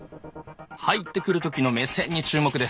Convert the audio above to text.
入ってくる時の目線に注目です。